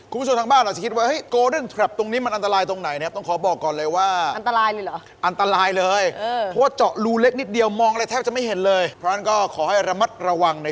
คุณผู้ชมทางบ้านอาจจะคิดว่า